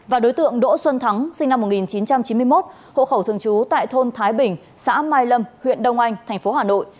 và đối tượng đỗ xuân thắng sinh năm một nghìn chín trăm chín mươi một hộ khẩu thường trú tại thôn thái bình xã mai lâm huyện đông anh tp hà nội